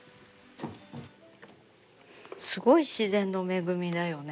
すごい自然の恵みだよね。